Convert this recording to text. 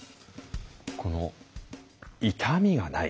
この「痛みがない」。